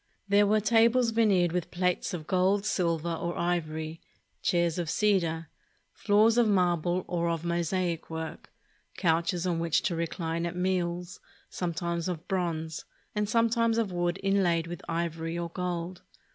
There were tables veneered with plates of gold, silver, or ivory, chairs of cedar, floors of marble or of mosaic work, couches on which to recline at meals, sometimes of bronze, and sometimes of wood inlaid with ivory or gold.